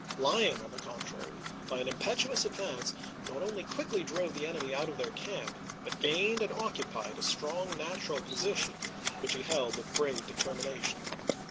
Lyon, on the contrary, by an impetuous advance, not only quickly drove the enemy out of their camp, but gained and occupied a strong natural position which he held with brave determination.